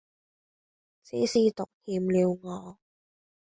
只是獨欠了我